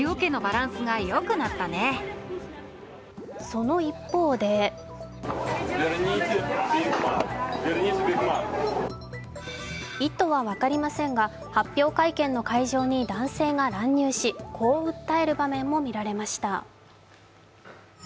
その一方で意図は分かりませんが、発表会見の会場に男性が乱入し、こう訴える場面もみられました。